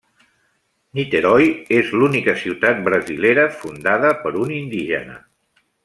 Niterói és l'única ciutat brasilera fundada per un indígena.